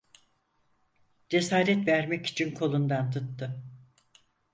Cesaret vermek için kolundan tuttu…